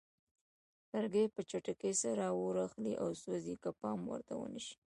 لرګي په چټکۍ سره اور اخلي او سوځي که پام ورته ونه شي.